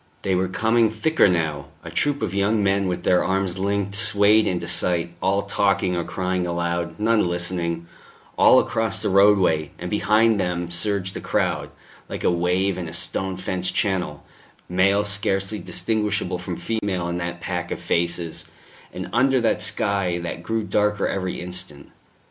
They were coming thicker now; a troop of young men with their arms linked swayed into sight, all talking or crying aloud, none listening all across the roadway, and behind them surged the crowd, like a wave in a stone fenced channel, male scarcely distinguishable from female in that pack of faces, and under that sky that grew darker every instant.